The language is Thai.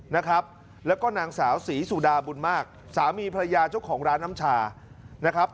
นะครับแล้วก็นางสาวศรีสุดาบุญมากสามีภรรยาเจ้าของร้านน้ำชานะครับ